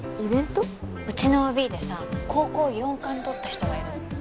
うちのＯＢでさ高校４冠とった人がいるの。